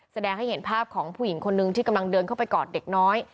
แสดงให้เห็นภาพของผู้หญิงคนนึงที่กำลังเดินเข้าไปกอดเด็กน้อย